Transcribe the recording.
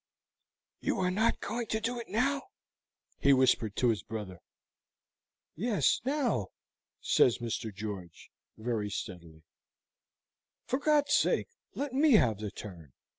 "You are not going to do it now?" he whispered his brother. "Yes, now," says Mr. George, very steadily. "For God's sake, let me have the turn.